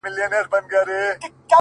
• خو تر مرګه یې دا لوی شرم په ځان سو,